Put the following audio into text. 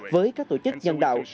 với các tổ chức nhân đạo